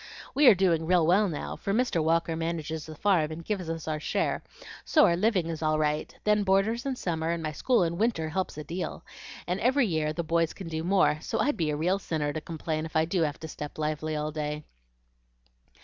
We are doing real well now, for Mr. Walker manages the farm and gives us our share, so our living is all right; then boarders in summer and my school in winter helps a deal, and every year the boys can do more, so I'd be a real sinner to complain if I do have to step lively all day."